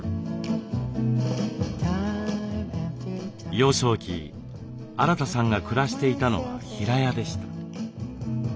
幼少期アラタさんが暮らしていたのは平屋でした。